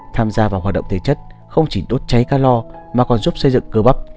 tham gia vào hoạt động thể chất không chỉ đốt cháy calor mà còn giúp xây dựng cơ bắp